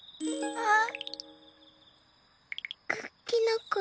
あっ。